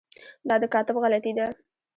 دا د کاتب غلطي ده.